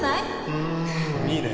うーんいいね。